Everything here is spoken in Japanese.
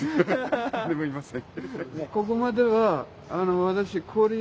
誰もいません。